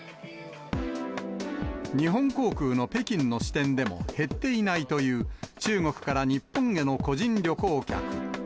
日本航空の北京の支店でも減っていないという、中国から日本への個人旅行客。